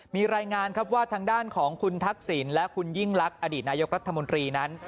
มีรายงานครับว่าทางด้านของคุณทักษิณและคุณยิ่งลักษณ์อดีตนายกรัฐมนตรีนั้น